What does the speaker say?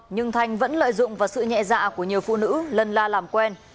nhưng thanh vẫn lợi dụng vào sự nhẹ dạ của nhiều phụ nữ lân la làm quen